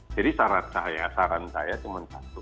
jadi saran saya cuma satu